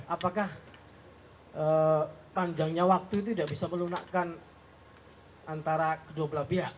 apakah panjangnya waktu itu tidak bisa melunakkan antara kedua belah pihak